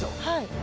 はい。